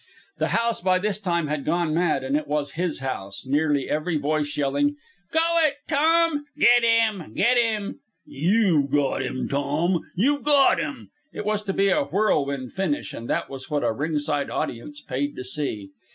The house by this time had gone mad, and it was his house, nearly every voice yelling: "Go it, Tom!" "Get 'im! Get 'im!" "You've got 'im, Tom! You've got 'im!" It was to be a whirlwind finish, and that was what a ringside audience paid to see.